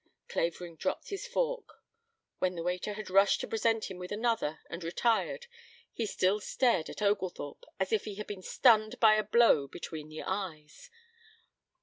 Clavering dropped his fork. When the waiter had rushed to present him with another and retired, he still stared at Oglethorpe as if he had been stunned by a blow between the eyes.